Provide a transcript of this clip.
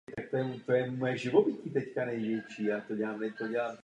Dílo se řadí mezi nejvýznačnější objednávky hraběte Františka Josefa Černína z Chudenic.